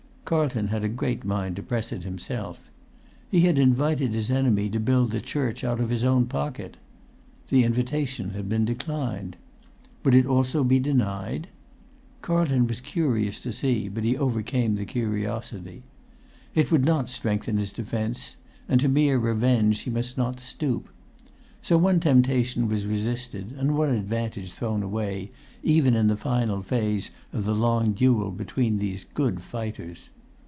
Carlton had a great mind to press it himself. He had invited his enemy to build the church out of his own pocket. The invitation had been declined. Would it also be denied? Carlton was curious to see; but he overcame his curiosity. It would not strengthen his defence, and to mere revenge he must not stoop. So one temptation was resisted, and one[Pg 171] advantage thrown away, even in the final phase of the long duel between these good fighters.